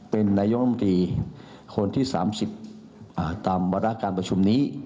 เป็นนายกรรมตรีคนที่๓๐ตามวาระการประชุมนี้